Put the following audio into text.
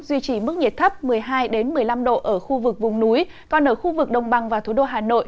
duy trì mức nhiệt thấp một mươi hai một mươi năm độ ở khu vực vùng núi còn ở khu vực đồng bằng và thủ đô hà nội